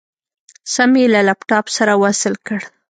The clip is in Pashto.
سيم يې له لپټاپ سره وصل کړ.